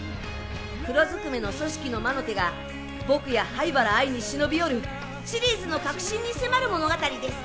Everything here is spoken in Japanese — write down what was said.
黒ずくめの組織の魔の手が僕や灰原哀に忍び寄るシリーズの核心に迫る物語です。